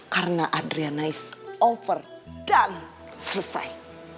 karena adriana is over dan selesai